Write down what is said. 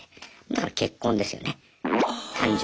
だから結婚ですよね単純に。